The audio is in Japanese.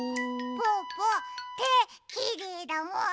ぽぅぽてきれいだもん！